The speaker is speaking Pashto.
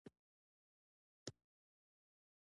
افغانستان تر هغو نه ابادیږي، ترڅو هینجه او زیره راټوله نشي.